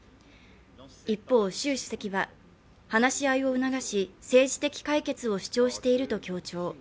一方、習主席は「話し合いを促し」「政治的解決を主張している」と強調。